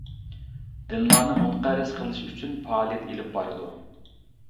دىنلارنى مۇنقەرز قىلىش ئۈچۈن پائالىيەت ئېلىپ بارىدۇ.